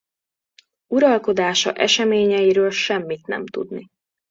Uralkodása eseményeiről semmit nem tudni.